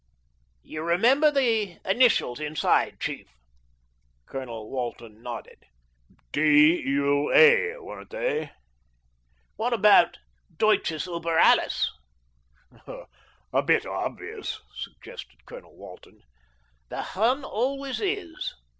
"You remember the initials inside, chief?" Colonel Walton nodded. "D.U.A. weren't they?" "What about Deutsches über alles?" "A bit obvious," suggested Colonel Walton. "The Hun always is."